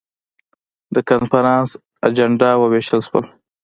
د کنفرانس اجندا وویشل شول.